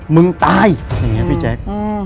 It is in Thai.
มึงตายอย่างนี้พี่แจ๊ค